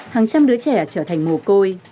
hàng trăm đứa trẻ trở thành mồ côi